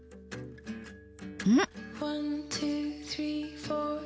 うん！